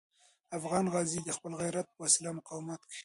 افغان غازي د خپل غیرت په وسیله مقاومت کوي.